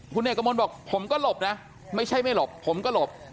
คุณเอกมลบอกผมก็หลบนะไม่ใช่ไม่หลบผมก็หลบ